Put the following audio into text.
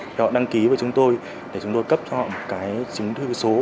thì họ đăng ký với chúng tôi để chúng tôi cấp cho họ một cái chính thức số